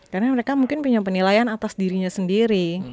karena mereka mungkin punya penilaian atas dirinya sendiri